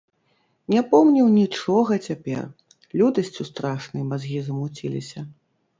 Не помніў нічога цяпер, лютасцю страшнай мазгі замуціліся.